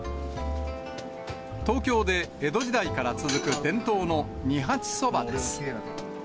東京で江戸時代から続く、伝統の二八そばです。